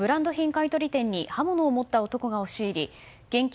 買い取り店に刃物を持った男が押し入り現金